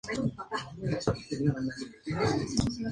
El equipo volvió a quedar en tercera posición en el torneo nacional.